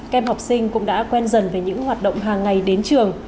kem học sinh cũng đã quen dần với những hoạt động hàng ngày đến trường